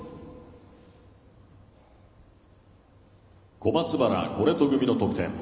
小松原、コレト組の得点。